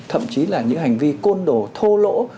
thậm chí là những hành vi côn đồ thô lỗ